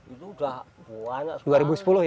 itu udah banyak sekarang